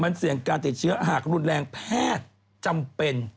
มันเสี่ยงการติดเชื้อหากรุนแรงแพทย์จำเป็น